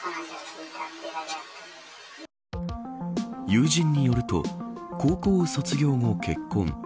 友人によると高校卒業後、結婚。